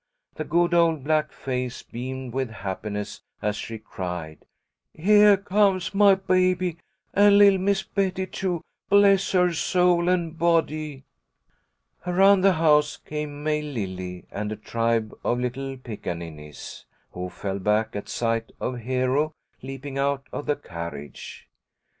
The good old black face beamed with happiness as she cried, "Heah comes my baby, an' li'l' Miss Betty, too, bless her soul an' body!" Around the house came May Lily and a tribe of little pickaninnies, who fell back at sight of Hero leaping out of the carriage.